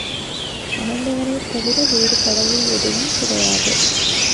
ஆண்டவனைத் தவிர வேறு கடவுள் எதுவும் கிடையாது.